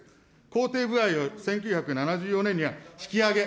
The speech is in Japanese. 公定歩合を１９７４年には引き上げ。